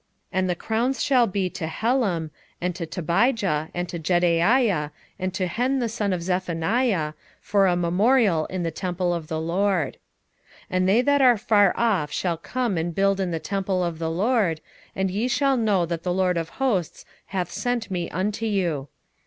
6:14 And the crowns shall be to Helem, and to Tobijah, and to Jedaiah, and to Hen the son of Zephaniah, for a memorial in the temple of the LORD. 6:15 And they that are far off shall come and build in the temple of the LORD, and ye shall know that the LORD of hosts hath sent me unto you.